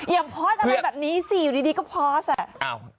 อย่างปอดอะไรแบบนี้สิอยู่ดีก็ปอด